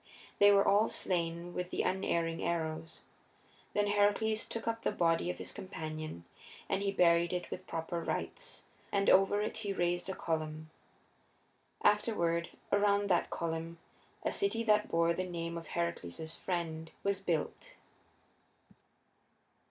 They were all slain with the unerring arrows. Then Heracles took up the body of his companion and he buried it with proper rights, and over it he raised a column. Afterward, around that column a city that bore the name of Heracles's friend was built.